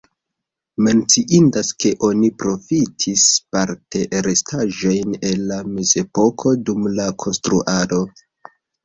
Menciindas, ke oni profitis parte restaĵojn el la mezepoko dum la konstruado.